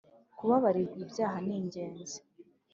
kubabarirwa ibyaha ningenzi.